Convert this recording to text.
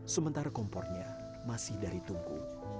sementara kompornya masih dari tungku